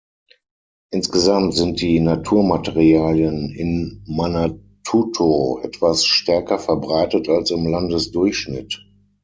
Insgesamt sind die Naturmaterialien in Manatuto etwas stärker verbreitet als im Landesdurchschnitt.